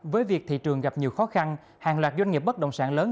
với việc thị trường gặp nhiều khó khăn hàng loạt doanh nghiệp bất động sản lớn